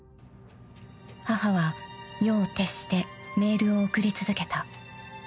［母は夜を徹してメールを送り続けた］